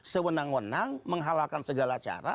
sewenang wenang menghalalkan segala cara